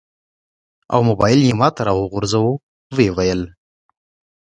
او موبایل یې ماته راوغورځاوه. و یې ویل: